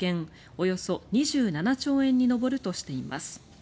およそ２７兆円に上るとしています。